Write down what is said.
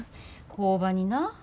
工場にな。